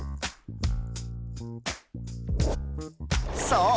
そう！